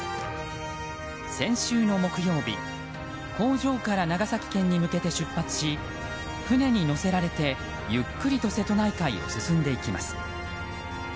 先週の木曜日工場から長崎県に向けて出発し船に乗せられてゆっくりと瀬戸内海を進んでいきます。